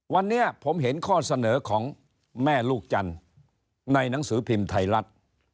วันนี้ผมเห็นข้อเสนอของแม่ลูกจันทร์ในหนังสือพิมพ์ไทยรัฐ